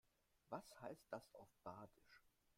Was heißt das auf Badisch?